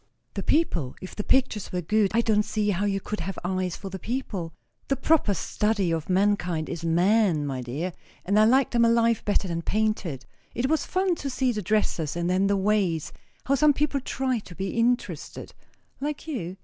"The people! If the pictures were good, I don't see how you could have eyes for the people." "'The proper study of mankind is man,' my dear; and I like them alive better than painted. It was fun to see the dresses; and then the ways. How some people tried to be interested " "Like you?"